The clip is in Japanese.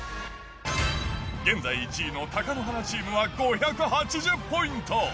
現在１位の貴乃花チームは５８０ポイント。